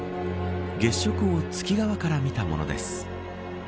月食を月側から見たものです。